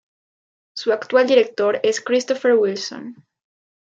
Su actual director es Christopher Wilson.